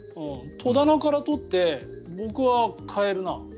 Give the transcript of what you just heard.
戸棚から取って、僕は替えるな。